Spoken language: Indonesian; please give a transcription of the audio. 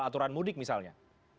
aturan mudik misalnya